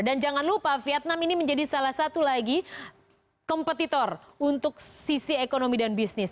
dan jangan lupa vietnam ini menjadi salah satu lagi kompetitor untuk sisi ekonomi dan bisnis